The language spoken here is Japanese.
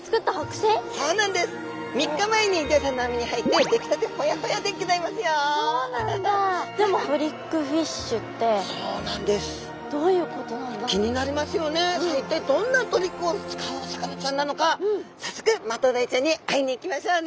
さあ一体どんなトリックを使うお魚ちゃんなのか早速マトウダイちゃんに会いに行きましょうね。